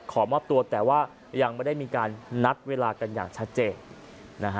ขอมอบตัวแต่ว่ายังไม่ได้มีการนัดเวลากันอย่างชัดเจนนะฮะ